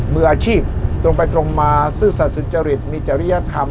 มืออาชีพตรงไปตรงมาซื่อสัตว์สุจริตมีจริยธรรม